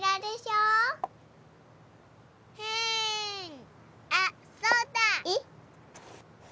うんあっそうだ！えっ？